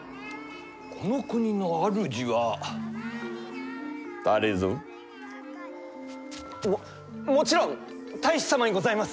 この国の主は誰ぞ？ももちろん太守様にございます！